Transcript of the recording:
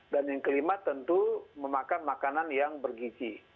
dan yang kelima tentu memakan makanan yang bergiji